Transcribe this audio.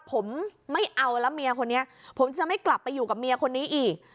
ผมไม่เอาแล้วเมียคนนี้ผมจะไม่กลับไปอยู่กับเมียคนนี้อีก